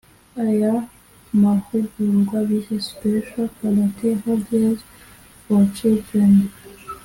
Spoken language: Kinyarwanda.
Aya mahugurwa bise”Special karate-Holidays for children”